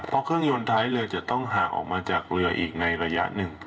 เพราะเครื่องยนต์ท้ายเรือจะต้องห่างออกมาจากเรืออีกในระยะหนึ่ง